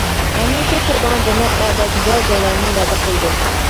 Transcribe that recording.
ھەمىشە تۇرىدىغان جەننەتلەردە گۈزەل جايلارنى ۋەدە قىلدى.